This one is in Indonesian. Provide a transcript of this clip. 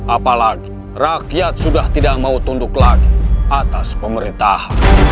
apalagi rakyat sudah tidak mau tunduk lagi atas pemerintah